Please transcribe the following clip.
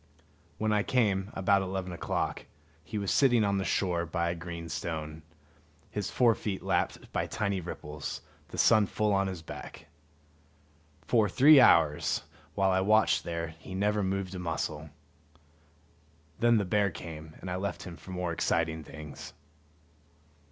When I came, about eleven o'clock, he was sitting on the shore by a green stone, his fore feet lapped by tiny ripples, the sun full on his back. For three hours, while I watched there, he never moved a muscle. Then the bear came, and I left him for more exciting things.